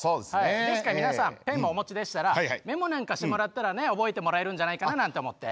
ですから皆さんペンをお持ちでしたらメモなんかしてもらったらね覚えてもらえるんじゃないかななんて思って。